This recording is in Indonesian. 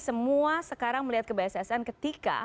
semua sekarang melihat ke bssn ketika